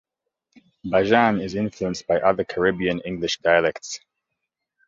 Bajan is influenced by other Caribbean English dialects.